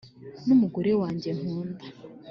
ni umugore wanjye nkunda.